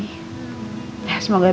nanti gak batuk batuk lagi